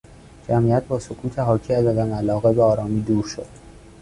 جمعیت با سکوت حاکی از عدم علاقه به آرامی دور شد.